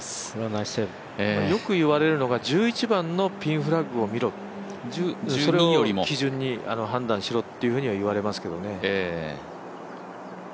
よく言われるのが１１番のピンフラッグを見ろ、それを基準に判断しろというふうには言われますけどね。